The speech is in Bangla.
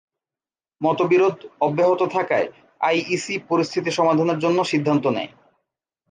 মতবিরোধ অব্যাহত থাকায়, আই ই সি পরিস্থিতি সমাধানের জন্য সিদ্ধান্ত নেয়।